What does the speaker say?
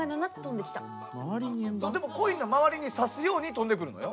でもコインの周りに刺すように飛んでくるのよ。